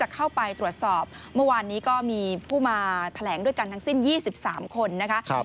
เข้าไปตรวจสอบเมื่อวานนี้ก็มีผู้มาแถลงด้วยกันทั้งสิ้น๒๓คนนะคะ